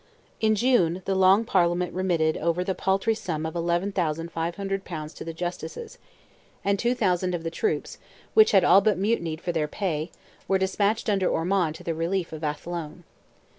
In June, the Long Parliament remitted over the paltry sum of 11,500 pounds to the Justices, and 2,000 of the troops, which had all but mutinied for their pay, were despatched under Ormond to the relief of Athlone.